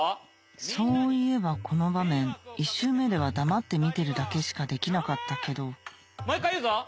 そういえばこの場面１周目では黙って見てるだけしかできなかったけどもう一回言うぞ？